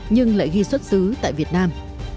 nhưng lại ghi xuất xứ tại việt nam